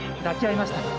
抱き合いました。